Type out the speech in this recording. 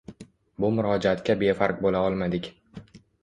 Bu murojaatga befarq bo‘la olmadik.